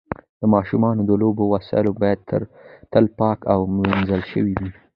د ماشومانو د لوبو وسایل باید تل پاک او وینځل شوي وي.